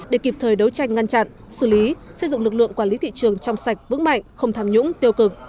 để kịp thời đấu tranh ngăn chặn xử lý xây dựng lực lượng quản lý thị trường trong sạch vững mạnh không tham nhũng tiêu cực